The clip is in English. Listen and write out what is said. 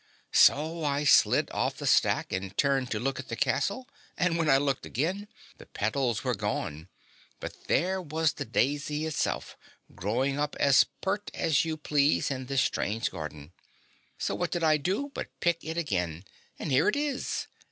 "So I slid off the stack and turned to look at the castle, and when I looked again, the petals were gone, but there was the daisy itself growing up as pert as you please in this strange garden. So what did I do but pick it again and here it is!"